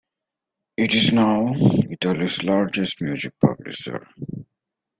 It is now Italy's largest music publisher.